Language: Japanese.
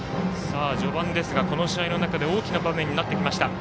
序盤ですがこの試合の中で大きな場面になってきました。